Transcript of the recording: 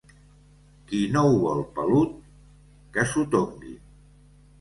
Qui no ho vol pelut, que s'ho tongui.